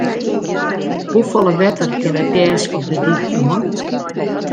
Hoefolle wetter kin it gers op de dyk oan?